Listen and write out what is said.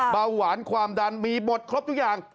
เบาหวานความดันมีบทครบทุกอย่าง